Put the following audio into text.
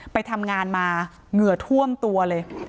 ไปทำงานมาเหงื่อท่วมตัวเลย